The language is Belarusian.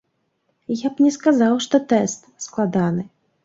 Я б не сказаў, што тэст складаны.